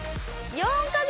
４カ月！？